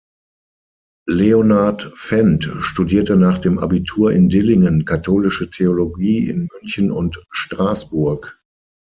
Leonhard Fendt studierte nach dem Abitur in Dillingen Katholische Theologie in München und Straßburg.